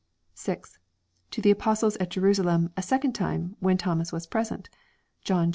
To the apostles at Jerusalem, a second time, when Thomas was present. John xx.